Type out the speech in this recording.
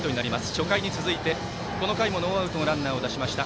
初回に続いて、この回もノーアウトのランナー出しました。